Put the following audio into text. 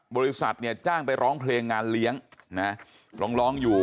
บริษัทเนี่ยจ้างไปร้องเพลงงานเลี้ยงนะร้องอยู่